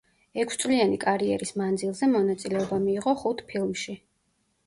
ექვსწლიანი კარიერის მანძილზე მონაწილეობა მიიღო ხუთ ფილმში.